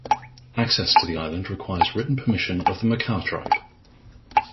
Access to the island requires written permission of the Makah tribe.